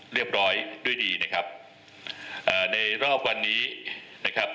เรียบร้อยด้วยดีนะครับเอ่อในรอบวันนี้นะครับ